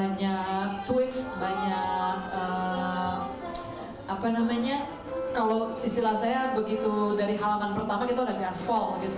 jadi banyak petualangan banyak twist banyak apa namanya kalau istilah saya begitu dari halaman pertama itu ada gaspol gitu